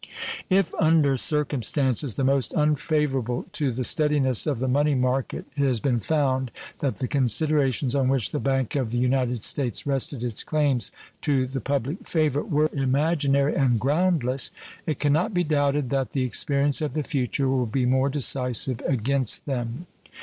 If under circumstances the most unfavorable to the steadiness of the money market it has been found that the considerations on which the Bank of the United States rested its claims to the public favor were imaginary and groundless, it can not be doubted that the experience of the future will be more decisive against them.